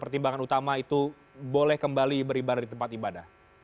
pertimbangan utama itu boleh kembali beribadah di tempat ibadah